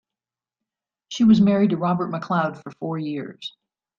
She was married to Robert MacLeod for four years.